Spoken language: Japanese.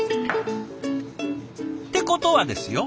ってことはですよ